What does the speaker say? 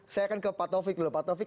saya akan ke pak tovik dulu pak tovik